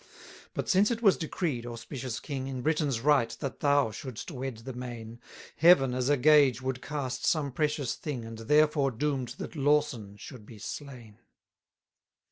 20 But since it was decreed, auspicious King, In Britain's right that thou shouldst wed the main, Heaven, as a gage, would cast some precious thing, And therefore doom'd that Lawson should be slain.